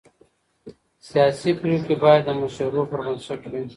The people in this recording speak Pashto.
سیاسي پرېکړې باید د مشورو پر بنسټ وي